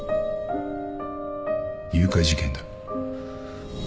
誘拐事件だ。